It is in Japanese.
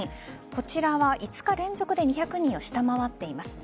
こちらは５日連続で２００人を下回っています。